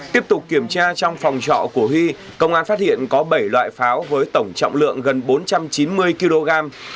tiếp tục kiểm tra trong phòng trọ của huy công an phát hiện có bảy loại pháo với tổng trọng lượng gần bốn trăm chín mươi kg